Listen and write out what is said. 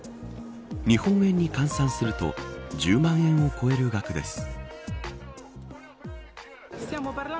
日本円に換算すると１０万円を超える額です。